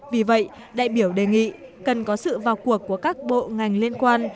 vì vậy đại biểu đề nghị cần có sự vào cuộc của các bộ ngành liên quan